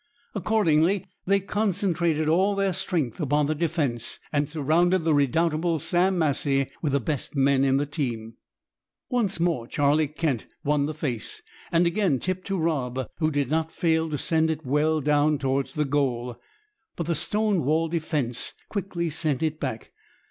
Accordingly they concentrated all their strength upon the defence, and surrounded the redoubtable Sam Massie with the best men in the team. Once more Charlie Kent won the face, and again tipped to Rob, who did not fail to send it well down towards the goal, but the stone wall defence quickly sent it back.